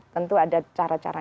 tentu ada cara cara